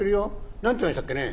「何て言いましたっけねぇ？」。